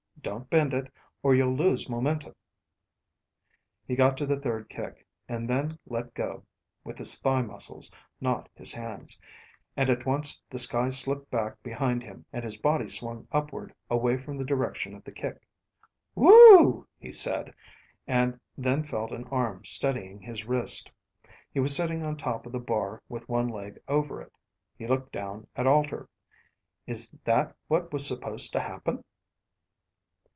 "Don't bend it, or you'll loose momentum." He got to the third kick, and then let go (with his thigh muscles, not his hands) and at once the sky slipped back behind him and his body swung upward away from the direction of the kick. "Whoooo," he said, and then felt an arm steadying his wrist. He was sitting on top of the bar with one leg over it. He looked down at Alter. "Is that what was supposed to happen?"